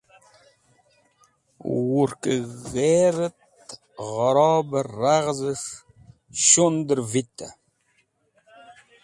Wurkẽg̃herẽt ghẽrobẽ raghzẽs̃ht shelut̃ vitẽ.